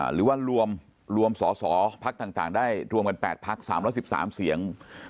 หรือว่ารวมสอสอพักต่างได้รวมกัน๘พัก๓๑๓เสียง